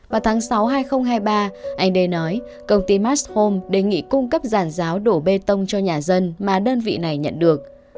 vào tháng sáu hai nghìn hai mươi ba anh đê nói công ty mastome đề nghị cung cấp giàn giáo đổ bê tông cho nhà dân mà đơn vị này nhận được